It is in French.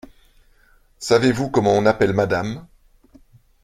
Savez-vous comment on appelle madame ?